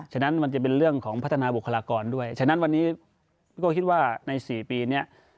ฉะนั้นมันจะเป็นเรื่องของพัฒนาบุคลากรด้วยฉะนั้นวันนี้ก็คิดว่าใน๔ปีเนี่ย